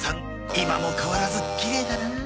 今も変わらずきれいだなあ。